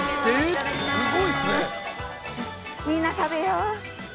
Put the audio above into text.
みんな食べよう。